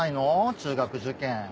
中学受験。